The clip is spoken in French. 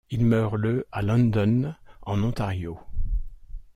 Il meurt le à London en Ontario.